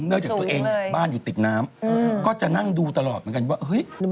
เนื่องจากตัวเองบ้านอยู่ติดน้ำก็จะนั่งดูตลอดเหมือนกันว่าเฮ้ย